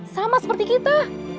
sama seperti kita